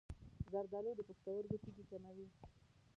زردآلو د پښتورګو تیږې کموي.